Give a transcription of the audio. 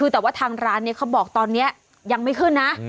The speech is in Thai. แต่ว่าทางร้านนี้เขาบอกตอนนี้ยังไม่ขึ้นนะ